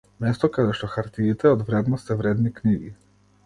Место каде што хартиите од вредност се вредни книги.